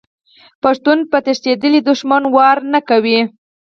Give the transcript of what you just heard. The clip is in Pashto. پښتون په تښتیدلي دښمن وار نه کوي.